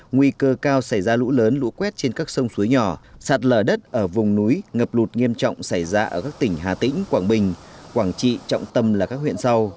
nguy cơ cao xảy ra lũ lớn lũ quét trên các sông suối nhỏ sạt lở đất ở vùng núi ngập lụt nghiêm trọng xảy ra ở các tỉnh hà tĩnh quảng bình quảng trị trọng tâm là các huyện sau